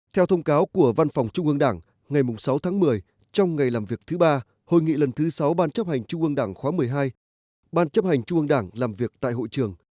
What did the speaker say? theo thông cáo của văn phòng trung ương đảng ngày sáu tháng một mươi trong ngày làm việc thứ ba hội nghị lần thứ sáu ban chấp hành trung ương đảng khóa một mươi hai ban chấp hành trung ương đảng làm việc tại hội trường